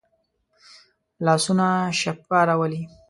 لاسونه شفا راولي